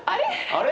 あれ？